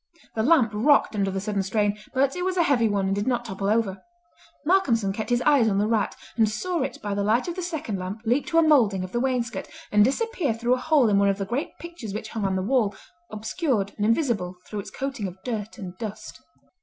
The lamp rocked under the sudden strain, but it was a heavy one and did not topple over. Malcolmson kept his eyes on the rat, and saw it by the light of the second lamp leap to a moulding of the wainscot and disappear through a hole in one of the great pictures which hung on the wall, obscured and invisible through its coating of dirt and dust.